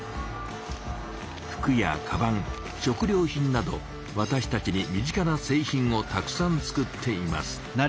服やかばん食料品などわたしたちに身近なせい品をたくさん作っています。